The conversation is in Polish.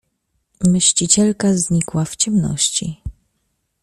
"Mścicielka znikła w ciemności."